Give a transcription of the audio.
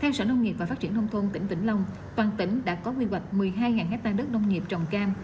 theo sở nông nghiệp và phát triển nông thôn tỉnh vĩnh long toàn tỉnh đã có quy hoạch một mươi hai hectare đất nông nghiệp trồng cam